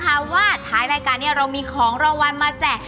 เพราะว่าท้ายรายการนี้เรามีของรางวัลมาแจก